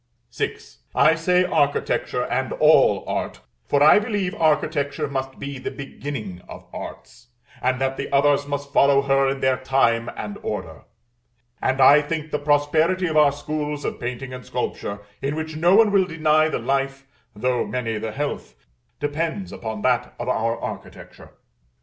VI. I say architecture and all art; for I believe architecture must be the beginning of arts, and that the others must follow her in their time and order; and I think the prosperity of our schools of painting and sculpture, in which no one will deny the life, though many the health, depends upon that of our architecture.